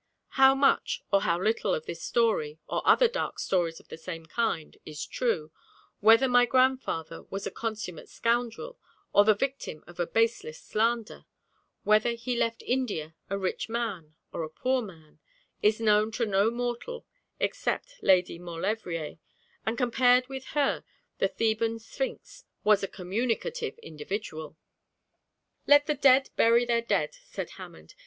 How much, or how little of this story or other dark stories of the same kind is true, whether my grandfather was a consummate scoundrel, or the victim of a baseless slander, whether he left India a rich man or a poor man, is known to no mortal except Lady Maulevrier, and compared with her the Theban Sphinx was a communicative individual.' 'Let the dead bury their dead,' said Hammond.